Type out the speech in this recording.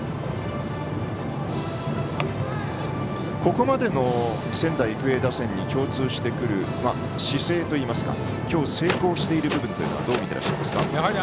ここまでの仙台育英打線に共通してくる姿勢といいますか今日、成功している部分はどう見ていらっしゃいますか？